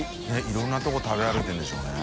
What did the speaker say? いろんなとこ食べ歩いてるんでしょうね。